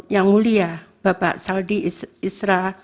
yang mulia bapak saldi isra